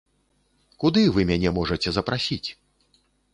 Куды вы мяне можаце запрасіць?